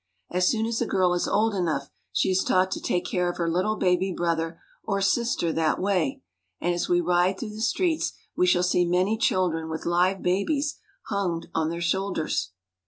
As soon as a girl is old enough, she is taught to take care of her little baby brother or sister that way, and as we ride through the streets we shall see many chil dren with live babies hung to their shoulders.